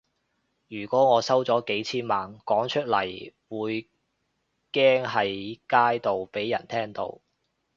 如果我收咗幾千萬，講出嚟會驚喺街度畀人聽到